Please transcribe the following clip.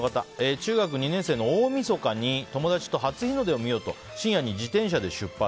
中学２年生の大みそかに友達と初日の出を見ようと深夜に自転車で出発。